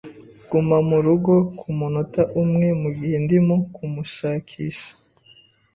Guma guma kumunota umwe mugihe ndimo kumushakisha.